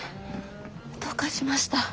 どうかしました？